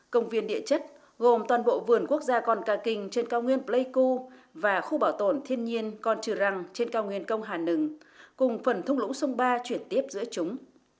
công viên địa chất gồm toàn bộ vườn quốc gia con ca kinh trên cao nguyên pleiku và khu bảo tồn thiên nhiên con trừ răng trên cao nguyên công hà nừng cùng phần thung lũng sông ba chuyển tiếp giữa chúng